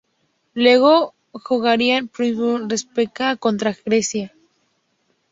Luego jugarían un play-off de "repesca" contra Grecia.